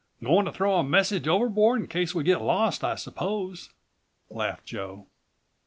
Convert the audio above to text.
"Going to throw a message overboard in case we're lost, I suppose," laughed Joe.